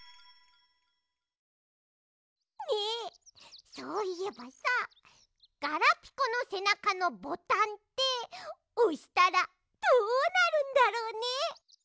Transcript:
ねえそういえばさガラピコのせなかのボタンっておしたらどうなるんだろうね？